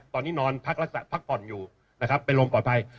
ตอนนี้นอนพักผ่อนอยู่นะครับเป็นลมปลอดภัย